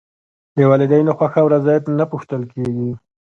د والدینو خوښه او رضایت نه پوښتل کېږي.